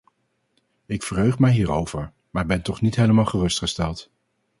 Ik verheug mij hierover, maar ben toch niet helemaal gerustgesteld.